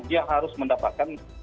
dia harus mendapatkan